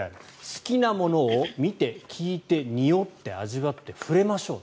好きなものを見て、聞いてにおって、味わって触れましょう。